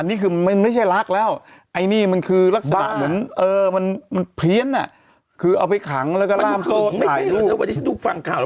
อันนี้คือมันไม่ใช่รักแล้วไอ้นี่มันคือรักษาภาพเหมือนเออมันเพี้ยนอ่ะคือเอาไปขังแล้วก็ลามโซ่ถ่ายลูก